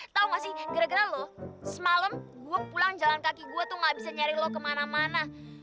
tau gak sih gara gara lo semalam gue pulang jalan kaki gue tuh gak bisa nyari lo kemana mana